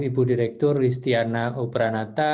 ibu direktur ristiana o'branata